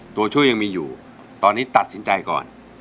ตัวช่วยยังมีอยู่ตอนนี้ตัดสินใจก่อน